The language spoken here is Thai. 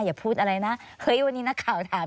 อย่าพูดอะไรนะเฮ้ยวันนี้นักข่าวถาม